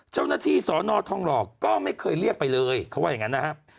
เจ้าหน้าที่สอนอทองหล่อก็ไม่เคยเรียกไปเลยเขาว่าอย่างนั้นนะครับ